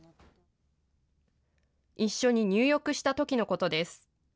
一緒に入浴したときのことです。